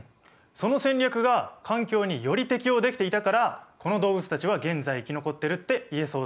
その戦略が環境により適応できていたからこの動物たちは現在生き残ってるって言えそうだ。